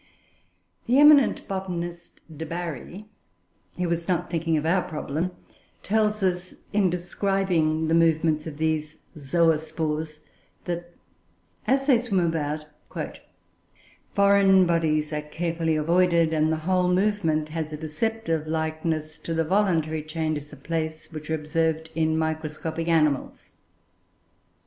The eminent botanist, De Bary, who was not thinking of our problem, tells us, in describing the movements of these "Zoospores," that, as they swim about, "Foreign bodies are carefully avoided, and the whole movement has a deceptive likeness to the voluntary changes of place which are observed in microscopic animals."